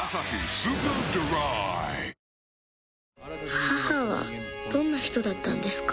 母はどんな人だったんですか？